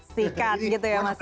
sikat gitu ya mas ya